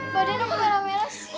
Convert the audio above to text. gatel merah merah sih